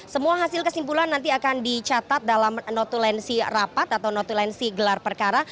semua hasil kesimpulan nanti akan dicatat dalam notulensi rapat atau notulensi gelar perkara